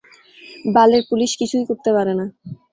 বালের পুলিশ কিছুই করতে পারেনা।